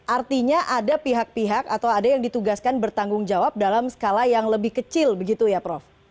artinya ada pihak pihak atau ada yang ditugaskan bertanggung jawab dalam skala yang lebih kecil begitu ya prof